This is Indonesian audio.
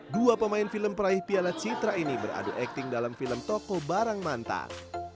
dua pemain film peraih piala citra ini beradu akting dalam film toko barang mantan